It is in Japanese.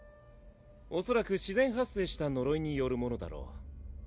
おそらく自然発生した呪いによるものだろう。